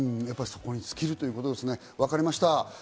そこに尽きるということですね、分かりました。